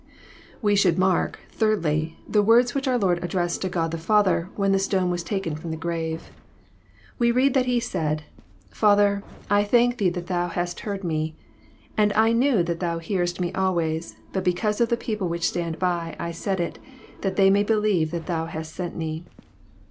We should mark, thirdly, the words which our Lord addressed to Ood the Father, when the stone was taken from the grave. We read that He said, " Father, I thank Thee that Thou hast heard Me. And I knew that Thou hearest Me alwaj's : but because of the people which stand by I said it, that they may believe that Thou hast sent Me."